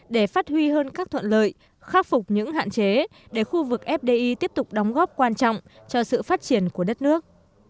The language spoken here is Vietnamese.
để phát huy hơn các thuận lợi khắc phục những hạn chế để khu vực fdi tiếp tục đóng góp quan trọng cho sự phát triển của đất nước